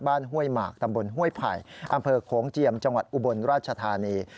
ห้วยหมากตำบลห้วยไผ่อำเภอโขงเจียมจังหวัดอุบลราชธานี